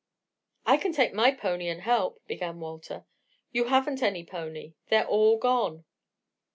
"I can take my pony and help," began Walter. "You haven't any pony. They're all gone."